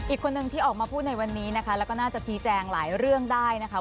อีกคนนึงที่ออกมาพูดในวันนี้นะคะแล้วก็น่าจะชี้แจงหลายเรื่องได้นะคะ